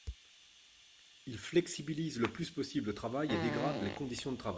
Il flexibilise le plus possible le travail et dégrade les conditions de travail.